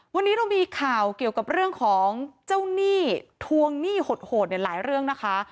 วันนี้เรามีข่าวเกี่ยวกับเรื่องของเจ้าหนี้ทวงหนี้โหดเนี่ยหลายเรื่องนะคะ